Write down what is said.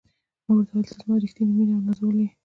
ما ورته وویل: ته زما ریښتینې مینه او نازولې یې.